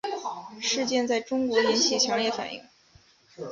事件在中国引起强烈反响。